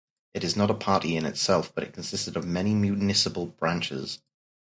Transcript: It is not a party in itself but consisted of many municipal branches.